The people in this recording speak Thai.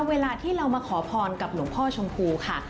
เวลาที่เรามาขอพรกับหลวงพ่อชมพูค่ะ